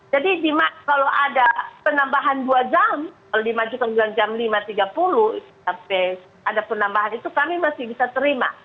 jadi kalau ada penambahan dua jam kalau dimajukan bilang jam lima tiga puluh sampai ada penambahan itu kami masih bisa terima